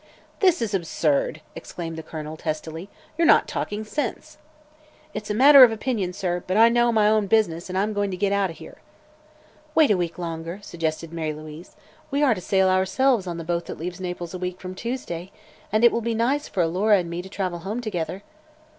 "This is absurd!" exclaimed the Colonel, testily. "You're not talking sense." "That's a matter of opinion, sir; but I know my own business, and I'm going to get out of here." "Wait a week longer," suggested Mary Louise. "We are to sail ourselves on the boat that leaves Naples a week from Tuesday, and it will be nice for Alora and me to travel home together."